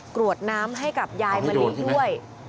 กรวดน้ำให้กับยายมะลิด้วย